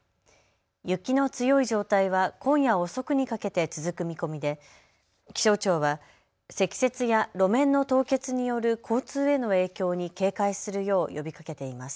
雪の強い状態は今夜遅くにかけて続く見込みで、気象庁は積雪や路面の凍結による交通への影響に警戒するよう呼びかけています。